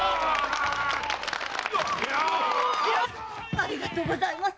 ありがとうございます！